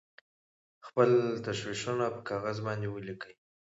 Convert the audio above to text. خپل تشویشونه په کاغذ باندې ولیکئ.